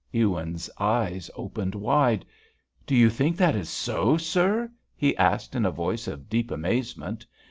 Ewins's eyes opened wide. "Do you think that is so, sir?" he asked in a voice of deep amazement.